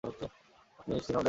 আপনি সিনেমা দেখেন না নিশ্চয়ই?